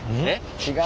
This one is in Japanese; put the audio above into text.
違う？